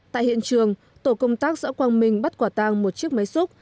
tại hiện trường tổ công tác xã quang minh bắt quả tang một chiếc máy xúc